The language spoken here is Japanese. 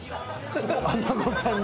穴子さんに？